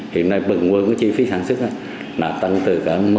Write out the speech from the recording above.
hiện nay bừng quên cái chi phí sản xuất là tăng từ một mươi một mươi năm